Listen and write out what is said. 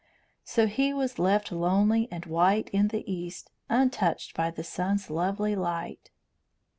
So he was left lonely and white in the east, untouched by the sun's lovely light.